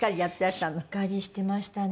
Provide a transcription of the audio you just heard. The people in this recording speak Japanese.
しっかりしてましたね。